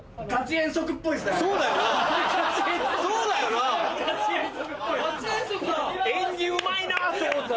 演技うまいなと思った。